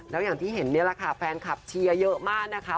แล้วอย่างที่เห็นนี่แหละค่ะแฟนคลับเชียร์เยอะมากนะคะ